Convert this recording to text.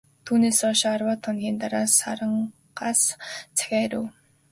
Түүнээс хойш арваад хоногийн дараа, Сарангаас захиа ирэв.